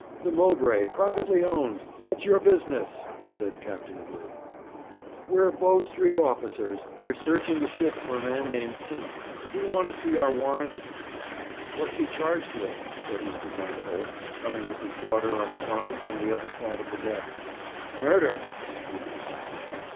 'The Mowbray, privately owned. What's your business?' said Captain Glew. 'We're Bow Street officers. We're searching the shipping for a man named Simmons. D'ye want to see our warrant?' 'What's he charged with?' said Mr. Vanderholt, coming with his daughter on his arm from the other side of the deck. 'Murder!' was the answer.